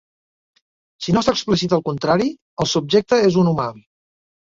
Si no s'explicita el contrari, el subjecte és un humà.